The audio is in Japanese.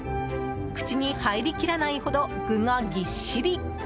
口に入りきらないほど具がぎっしり。